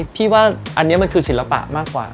พี่ว่าอันนี้มันคือศิลปะมากกว่า